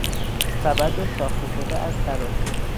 سبد ساخته شده از تراشه